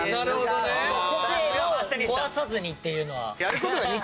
個性を壊さずにっていうのは。